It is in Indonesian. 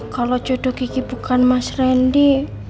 kalau jodoh kiki bukan mas rendy